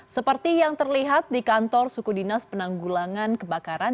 seperti yang terlihat di kantor suku dinas penanggulangan kebakaran